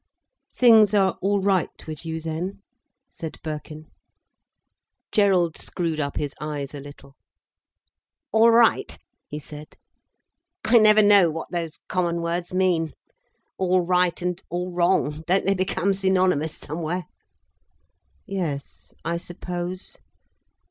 "Things are all right with you then?" said Birkin. Gerald screwed up his eyes a little. "All right?" he said. "I never know what those common words mean. All right and all wrong, don't they become synonymous, somewhere?" "Yes, I suppose.